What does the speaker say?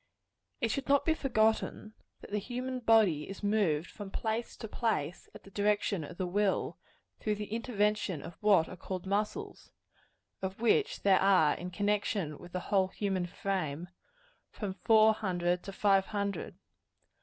It should not be forgotten, that the human body is moved from place to place, at the direction of the will, through the intervention of what are called muscles of which there are in connection with the whole human frame, from four hundred to five hundred.